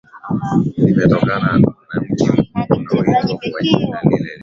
limetokana na mji mkuu unaoitwa kwa jina lilelile